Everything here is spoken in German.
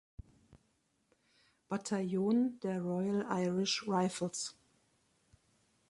Bataillon der Royal Irish Rifles.